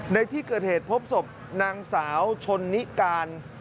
ในที่เกิดเหตุพบศพนางสาวชนนิการ